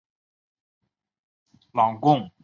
朗贡灯台报春为报春花科报春花属下的一个亚种。